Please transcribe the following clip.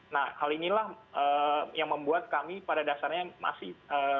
nah hal inilah yang membuat kami pada dasarnya masih